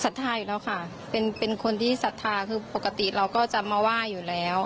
ทัวอยู่แล้วค่ะเป็นคนที่ศรัทธาคือปกติเราก็จะมาไหว้อยู่แล้ว